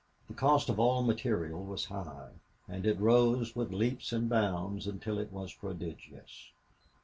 The cost of all material was high, and it rose with leaps and bounds until it was prodigious.